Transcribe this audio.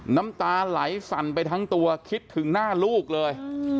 น้ำตาไหลสั่นไปทั้งตัวคิดถึงหน้าลูกเลย